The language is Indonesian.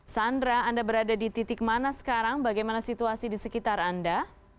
sandra anda berada di titik mana sekarang bagaimana situasi di sekitar anda